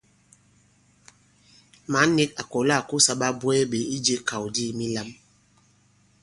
Mǎn nīk à kɔ̀la à kosā ɓabwɛɛ ɓē ijē ikàw di milām.